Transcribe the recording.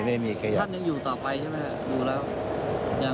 จะมีรักษาการรักษาภูมิฟรีแรงงานด้วยหรือเปล่า